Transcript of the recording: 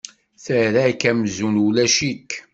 Terra-k amzun ulac-ik.